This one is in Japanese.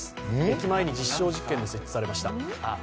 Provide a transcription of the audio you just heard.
駅前に実証実験で設置されました。